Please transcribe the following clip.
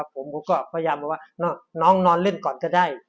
ผมก็พยายามบอกว่าน้องนอนเล่นก่อนก็ได้